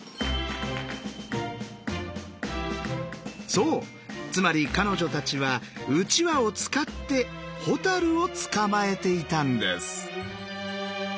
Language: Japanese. そうつまり彼女たちはうちわを使って蛍を捕まえていたんです。